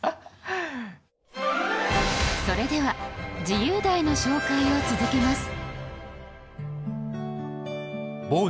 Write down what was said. それでは自由題の紹介を続けます。